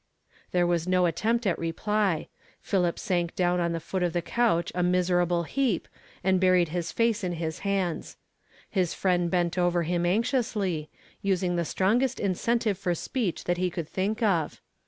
" There was no attempt at reply. Philip sank down on the foot of the couch a miserable heap, and buried his face in his hands. His friend bent over him anxiously, using the strongest incentive for speech that he could think of.